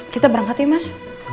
kita berangkat yuk mas